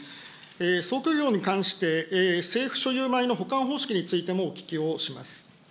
倉庫業に関して政府所有米の保管方式においても、お聞きをします。